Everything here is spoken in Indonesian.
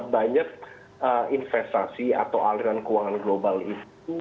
banyak investasi atau aliran keuangan global itu